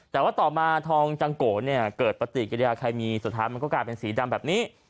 แต่ว่าต่อมาทองจังโกเนี่ยเกิดปฏิกิริยาใครมีสุดท้ายมันก็กลายเป็นสีดำแบบนี้